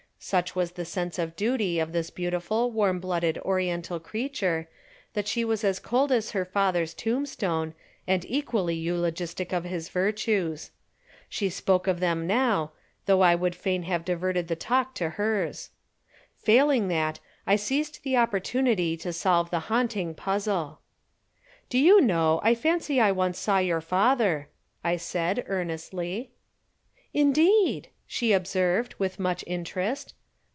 Such was the sense of duty of this beautiful, warm blooded Oriental creature, that she was as cold as her father's tombstone, and equally eulogistic of his virtues. She spoke of them now, though I would fain have diverted the talk to hers. Failing that, I seized the opportunity to solve the haunting puzzle. "Do you know, I fancy I once saw your father," I said, earnestly. "Indeed!" she observed, with much interest.